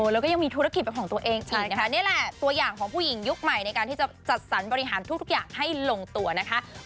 แล้วก็ยังมีธุรกิจแบบของตัวเองอีกนะคะนี่แหละตัวอย่างของผู้หญิงยุคใหม่ในการที่จะจัดสรรบริหารทุกอย่างให้ลงตัวนะคะ